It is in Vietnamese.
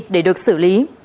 để được xử lý